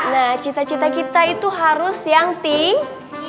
nah cita cita kita itu harus yang tink